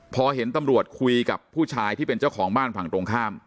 พอเห็นตำรวจคุยกับผู้ชายที่เป็นเจ้าของบ้านฝั่งตรงข้าม